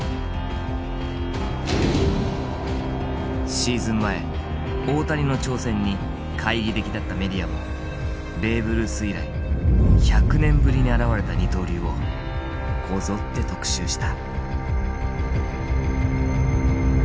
シーズン前大谷の挑戦に懐疑的だったメディアもベーブ・ルース以来１００年ぶりに現れた二刀流をこぞって特集した。